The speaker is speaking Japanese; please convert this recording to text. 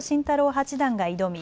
八段が挑み